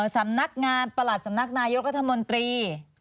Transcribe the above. สำนักงานประหลัดสำนักนายกรัฐมนตรี